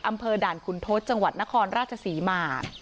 อำเภอด่านขุนทศจังหวัดนครราชศรีมา